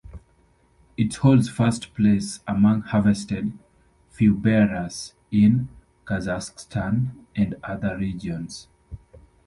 It holds first place among harvested furbearers in Kazakhstan and other regions.